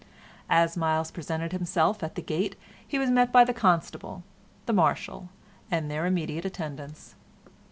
As Myles presented himself at the gate he was met by the Constable, the Marshal, and their immediate attendants.